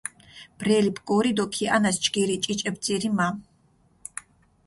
ბრელი ბგორი დო ქიჸანას ჯგირი ჭიჭე ბძირი მა!